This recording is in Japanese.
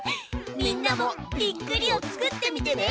みんなも「びっくり」をつくってみてね！